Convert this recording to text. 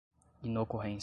inocorrência